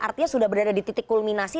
artinya sudah berada di titik kulminasi